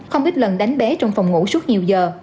không ít lần đánh bé trong phòng ngủ suốt nhiều giờ